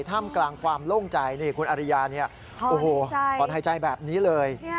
ท่ามกลางความโล่งใจนี่คุณอาริยาอ่อนหายใจแบบนี้เลย